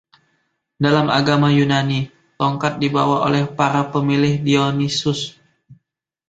Dalam agama Yunani, tongkat dibawa oleh para pemilih Dionysus.